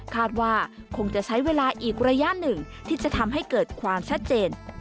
คาดว่าคงจะใช้เวลาอีกระยะหนึ่งที่จะทำให้เกิดความชัดเจน